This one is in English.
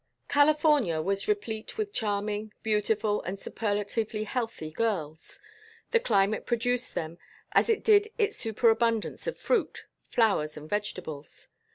California was replete with charming, beautiful, and superlatively healthy girls; the climate produced them as it did its superabundance of fruit, flowers, and vegetables.